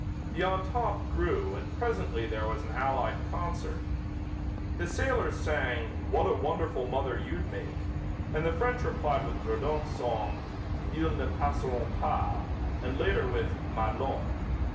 The entente grew and presently there was an allied concert. The sailors sang, "What a Wonderful Mother You'd Make," and the French replied with the Verdun song, "Ils Ne Passeront Pas," and later with "Madelon."